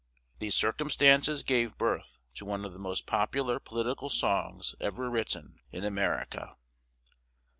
These circumstances gave birth to one of the most popular political songs ever written in America.